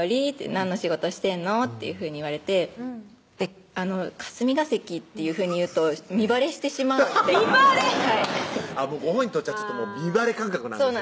「何の仕事してんの？」っていうふうに言われて「霞が関」っていうふうに言うと身バレしてしまうのでご本人にとっちゃ身バレ感覚なんですね